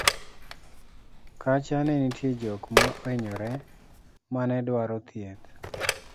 kacha ne nitie jok ma ohinyore mane dwaro chieth